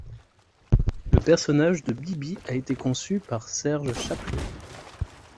Le personnage de Bibi a été conçu par Serge Chapleau.